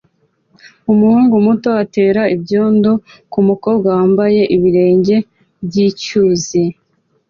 Umuhungu muto atera ibyondo kumukobwa wambaye ibirenge byicyuzi